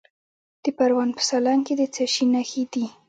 د پروان په سالنګ کې د څه شي نښې دي؟